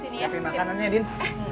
siapin makanannya din